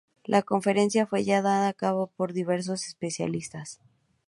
La conferencia fue llevada a cabo por diversos especialistas.